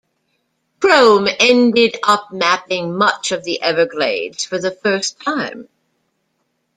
Krome ended up mapping much of Everglades for the first time.